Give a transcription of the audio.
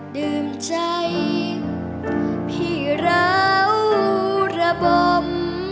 ดื่มใจพี่เราระบม